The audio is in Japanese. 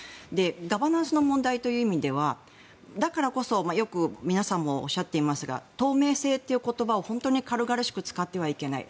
ガバナンスの問題という意味ではだからこそ皆さんもよくおっしゃっていますが透明性という言葉を本当に軽々しく使ってはいけない。